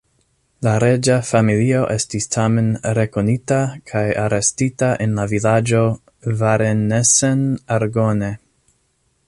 La reĝa familio estis tamen rekonita kaj arestita en la vilaĝo Varennes-en-Argonne.